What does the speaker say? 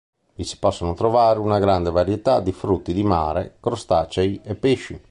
Vi si possono trovare una grande varietà di frutti di mare, crostacei e pesci.